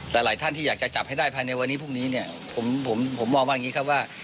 แต่หลายท่านที่อยากจะจับให้ได้ภายในวันนี้พรุ่งนี้เนี่ยผมผมมองว่าอย่างนี้ครับว่า